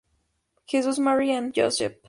Jesus, Mary and Joseph!